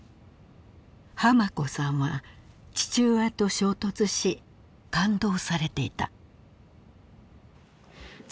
ハマコさんは父親と衝突し勘当されていた。